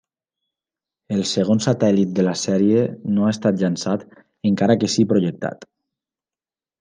El segon satèl·lit de la sèrie no ha estat llançat, encara que sí projectat.